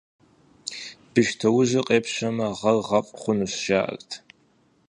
Бещтоужьыр къепщэмэ, гъэр гъэфӀ хъунущ, жаӀэрт.